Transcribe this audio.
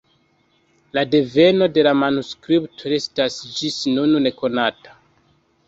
La deveno de la manuskripto restas ĝis nun nekonata.